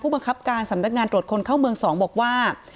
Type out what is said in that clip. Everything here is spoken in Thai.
บังคับการสำนักงานตรวจคนเข้าเมือง๒บอกว่า